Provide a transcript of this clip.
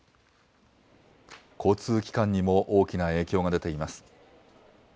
交通機関にも大きな影響が出ています。